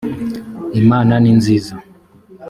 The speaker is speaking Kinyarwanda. imana ninziza.